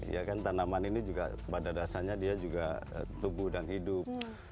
ya kan tanaman ini juga pada dasarnya dia juga tubuh dan hidup